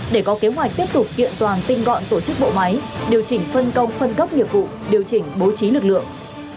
để có kế hoạch tiếp tục kiện toàn tinh gọn tổ chức bộ máy điều chỉnh phân công phân cấp nghiệp vụ điều chỉnh bố trí lực lượng